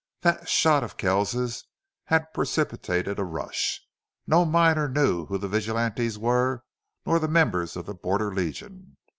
That shot of Kells's had precipitated a rush. No miner knew who the vigilantes were nor the members of the Border Legion.